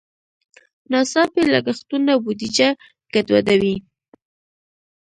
ناڅاپي لګښتونه بودیجه ګډوډوي.